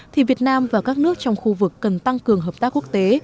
thì việt nam và các nước trong khu vực cần tăng cường hợp tác quốc tế